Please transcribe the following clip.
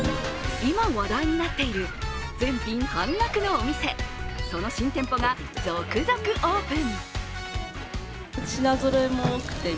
今、話題になっている全品半額のお店、その新店舗が続々オープン。